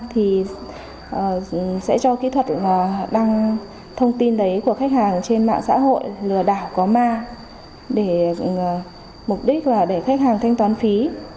thì sẽ cho kỹ thuật đăng thông tin đấy của khách hàng trên mạng xã hội lừa đảo có ma để mục đích là để khách hàng thanh toán phí